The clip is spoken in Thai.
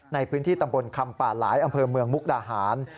ในพื้นที่ตำบลคำป่าหลายอำเภอเมืองมุกดาหาร